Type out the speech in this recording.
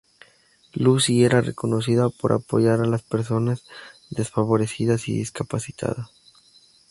Lucy era reconocida por apoyar a las personas desfavorecidas y discapacitadas.